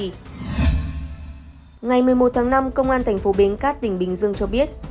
ngày một mươi một tháng năm công an tp bến cát tỉnh bình dương cho biết